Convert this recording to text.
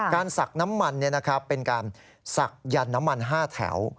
การศักดิ์น้ำมันเนี่ยนะครับเป็นการศักดิ์ยันน้ำมัน๕แถว